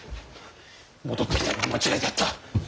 戻ってきたのが間違いであった。